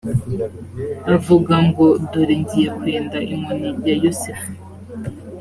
avuga ngo dore ngiye kwenda inkoni ya yosefu